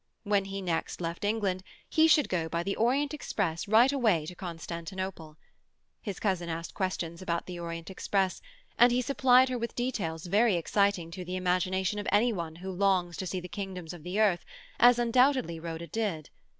When he next left England, he should go by the Orient Express right away to Constantinople. His cousin asked questions about the Orient Express, and he supplied her with details very exciting to the imagination of any one who longs to see the kingdoms of the earth—as undoubtedly Rhoda did.